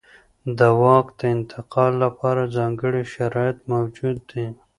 د واک د انتقال لپاره ځانګړي شرایط موجود دي.